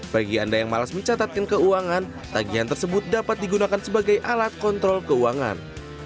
bagi anda yang malas mencatatkan keuangan tagihan tersebut dapat digunakan sebagai alat kontrol keuangan